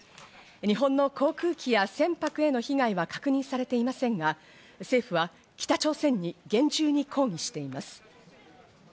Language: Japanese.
日本の航空機や船舶への被害は確認されていませんが、政府は北朝鮮に厳重に抗議しています。